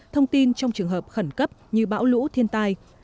thông tin trong trường hợp khẩn cấp như bão lũ thiên tai